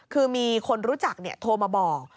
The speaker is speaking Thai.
คือมีคนรู้จักโทรมาบอก